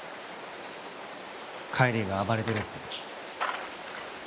海里が暴れてるって。